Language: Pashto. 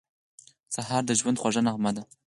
سهار د ژوند خوږه نغمه ده.